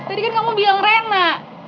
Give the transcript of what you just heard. tadi kan kamu bilang rena